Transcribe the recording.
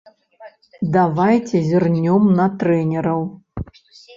Давайце зірнём на трэнераў.